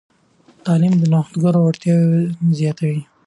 تعلیم د نوښتګرو وړتیاوې زیاتوي.